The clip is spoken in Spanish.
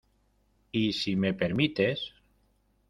y si me permites...